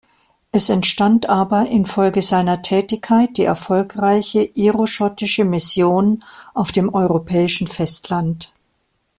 Es entstand aber infolge seiner Tätigkeit die erfolgreiche iroschottische Mission auf dem europäischen Festland.